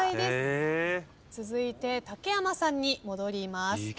続いて竹山さんに戻ります。